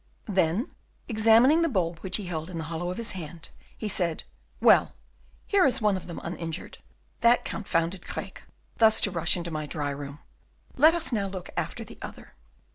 Then, examining the bulb which he held in the hollow of his hand, he said: "Well, here is one of them uninjured. That confounded Craeke! thus to rush into my dry room; let us now look after the other."